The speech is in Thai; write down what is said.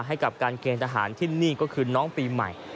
ให้กับการเกณฑ์ทหารที่นี่ก็คือน้องปีใหม่